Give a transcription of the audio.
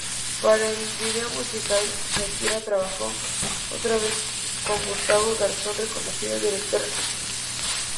Para el vídeo musical, Shakira trabajó otra vez con Gustavo Garzón reconocido director argentino.